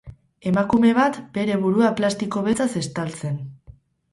Emakume bat, bere burua plastiko beltzaz estaltzen.